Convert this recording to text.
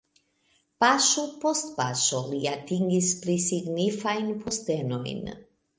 Paŝo post paŝo li atingis pli signifajn postenojn.